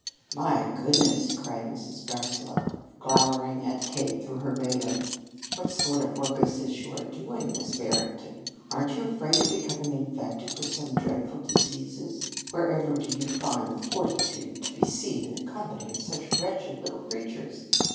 "My goodness!" cried Mrs. Barsaloux, glowering at Kate through her veil; "what sort of work is this you are doing, Miss Barrington? Aren't you afraid of becoming infected with some dreadful disease? Wherever do you find the fortitude to be seen in the company of such wretched little creatures?